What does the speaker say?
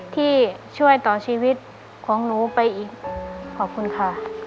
ที่ช่วยต่อชีวิตของหนูไปอีกขอบคุณค่ะ